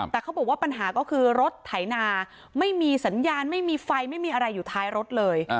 แต่เขาบอกว่าปัญหาก็คือรถไถนาไม่มีสัญญาณไม่มีไฟไม่มีอะไรอยู่ท้ายรถเลย